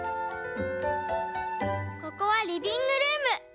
「ここはリビングルーム。